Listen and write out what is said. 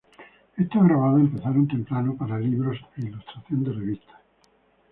Estos grabados empezaron temprano para libros e ilustración de revistas.